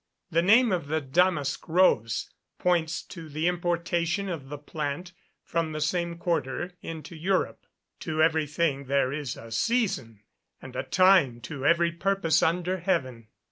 The name of the damask rose points to the importation of the plant from the same quarter into Europe. [Verse: "To every thing there is a season, and a time to every purpose under heaven."